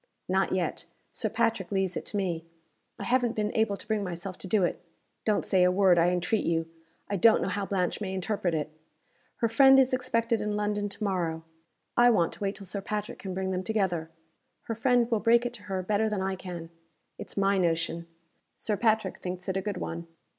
"Not yet. Sir Patrick leaves it to me. I haven't been able to bring myself to do it. Don't say a word, I entreat you. I don't know how Blanche may interpret it. Her friend is expected in London to morrow. I want to wait till Sir Patrick can bring them together. Her friend will break it to her better than I can. It's my notion. Sir Patrick thinks it a good one.